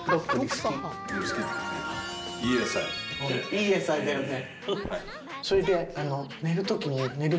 いい野菜だよね。